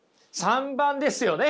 ３番ですよね！